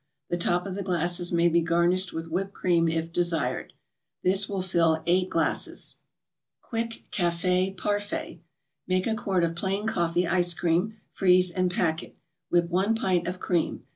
The top of the glasses may be garnished with whipped cream, if desired. This will fill eight glasses. QUICK CAFÉ PARFAIT Make a quart of plain Coffee Ice Cream, freeze and pack it. Whip one pint of cream.